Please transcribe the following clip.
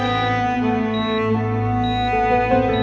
saya nggak ada diri